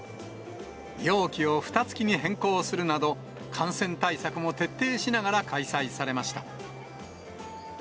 容器をふた付きに変更するなど、感染対策も徹底しながら開催されました。